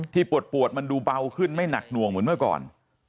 ปวดมันดูเบาขึ้นไม่หนักหน่วงเหมือนเมื่อก่อน